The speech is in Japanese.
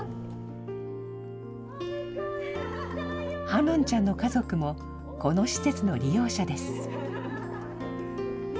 葉音ちゃんの家族も、この施設の利用者です。